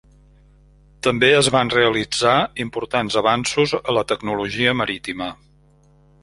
També es van realitzar importants avanços a la tecnologia marítima.